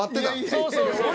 そうそうそうそう。